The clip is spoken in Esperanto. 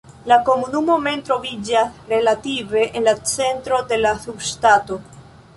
La komunumo mem troviĝas relative en la centro de la subŝtato.